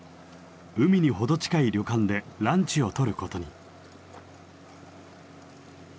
海に程近い旅館でランチをとることに。